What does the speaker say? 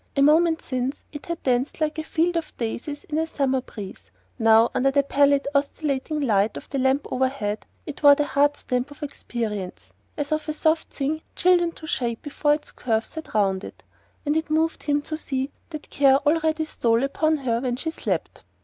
A moment since it had danced like a field of daisies in a summer breeze; now, under the pallid oscillating light of the lamp overhead, it wore the hard stamp of experience, as of a soft thing chilled into shape before its curves had rounded: and it moved him to see that care already stole upon her when she slept.